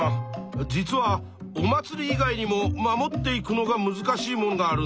実はお祭り以外にも守っていくのがむずかしいもんがあるんだ。